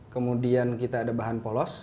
kemudian kita ada bahan polos